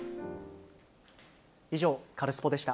以上、カルスポっ！でした。